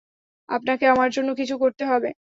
আপনাকে আমার জন্য কিছু করতে হবে।